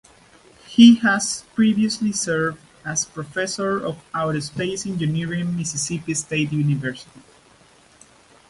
He has previously served as Professor of Aerospace Engineering Mississippi State University.